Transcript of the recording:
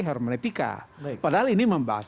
hermeneutika padahal ini membahas